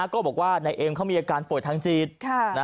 ก็บอกว่านายเอ็มเขามีอาการป่วยทางจิต